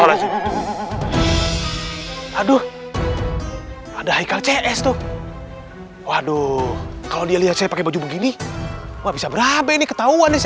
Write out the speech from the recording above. aduh ada heikal cs tuh waduh kalau dia lihat saya pakai baju begini bisa berapa ini ketahuan